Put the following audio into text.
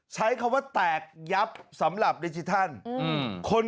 ใช้คำว่าแตกยับสำหรับดิจิทัล